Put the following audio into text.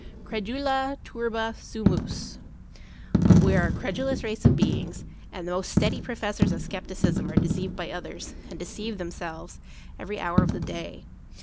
Credula turba sumus We are a credulous race of beings ; and the most steady profes sors of skepticism are deceived by others, and deceive themselves, every hour of the day.